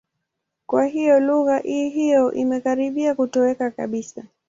Kwa hiyo lugha hiyo imekaribia kutoweka kabisa.